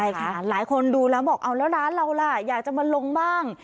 ใช่ค่ะหลายคนดูแล้วบอกเอาแล้วร้านเราล่ะอยากจะมาลงบ้าง